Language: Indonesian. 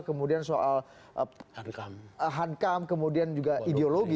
kemudian soal hankam kemudian juga ideologi